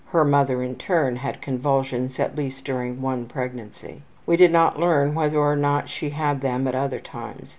Her mother, in turn, had convulsions at least during one pregnancy. We did not learn whether or not she had them at other times.